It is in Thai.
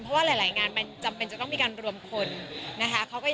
เพราะว่าหลายงานมันจำเป็นจะต้องมีการรวมคนนะคะ